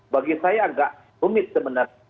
bagi saya agak rumit sebenarnya